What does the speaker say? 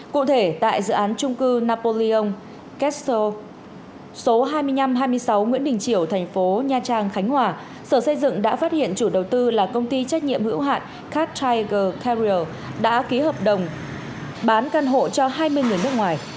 cụ thể tại dự án trung cư napolion keto số hai nghìn năm trăm hai mươi sáu nguyễn đình triều thành phố nha trang khánh hòa sở xây dựng đã phát hiện chủ đầu tư là công ty trách nhiệm hữu hạn catriger carrier đã ký hợp đồng bán căn hộ cho hai mươi người nước ngoài